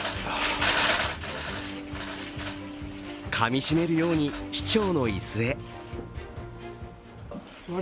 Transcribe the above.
かみしめるように市長の椅子へ。